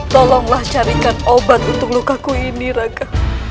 tolonglah carikan obat untuk lukaku ini raga